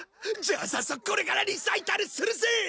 じゃあ早速これからリサイタルするぜ！